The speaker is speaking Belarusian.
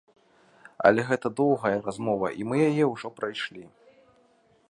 Але гэта доўгая размова, і мы яе ўжо прайшлі.